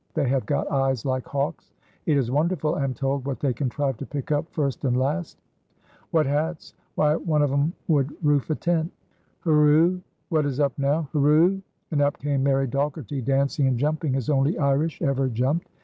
They have got eyes like hawks. It is wonderful, I am told, what they contrive to pick up first and last. What hats! Why, one of 'm would roof a tent." "Hurroo!" "What is up now?" "Hurroo!" And up came Mary McDogherty dancing and jumping as only Irish ever jumped.